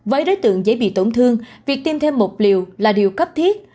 với đối tượng dễ bị tổn thương việc tiêm thêm một liều là điều cấp thiết